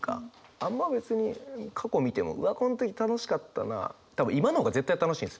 あんま別に過去見てもうわこん時楽しかったな多分今の方が絶対楽しいんです。